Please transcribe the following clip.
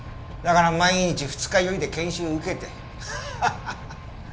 だから毎日二日酔いで研修受けて。